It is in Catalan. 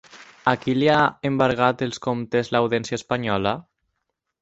A qui li ha embargat els comptes l'Audiència espanyola?